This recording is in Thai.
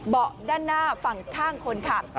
เบาะด้านหน้าฝั่งข้างคนค่ะ